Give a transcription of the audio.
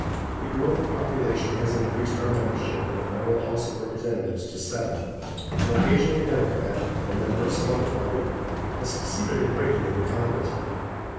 The growth of population has increased our membership in the federal house of representatives to seven, and occasionally a Democrat, or member of some other party, has succeeded in breaking into congress.